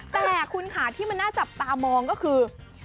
แต่คุณค่ะที่มันน่าจับตามองก็คือ